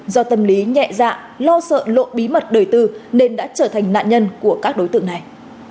do tâm lý nhẹ dạng lo sợ lộ bí mật đời tư nên đã trở thành nạn nhân của các đối tượng này